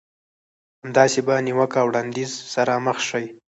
همداسې په نيوکه او وړانديز سره مخ شئ.